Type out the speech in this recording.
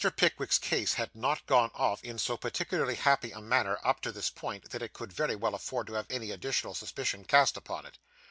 Pickwick's case had not gone off in so particularly happy a manner, up to this point, that it could very well afford to have any additional suspicion cast upon it.